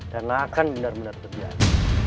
karena akan benar benar terjadi